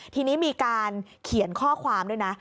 ทีนี้มีการเขียนข้อความด้วยนะ